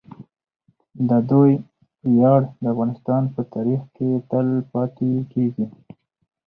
د دوی ویاړ د افغانستان په تاریخ کې تل پاتې کیږي.